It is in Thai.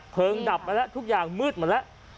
เพลิงดับมาแล้วทุกอย่างมืดมาแล้ว